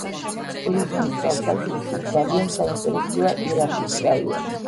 ტურიზმის თვალსაზრისით ძალიან საინტერესოა ირაფის რაიონი.